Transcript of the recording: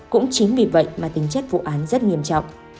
cũng chính vì vậy mà tính chất vụ án rất nghiêm trọng